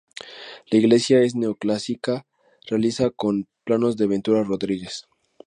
La iglesia es neoclásica, realizada con planos de Ventura Rodríguez.